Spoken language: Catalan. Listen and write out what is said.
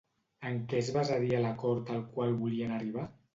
En què es basaria l'acord al qual volien arribar?